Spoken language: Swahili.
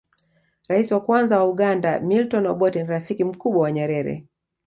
rais wa kwanza wa uganda milton obotte ni rafiki mkubwa wa nyerere